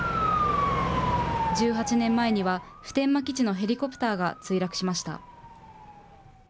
１８年前には、普天間基地のヘリコプターが墜落しました。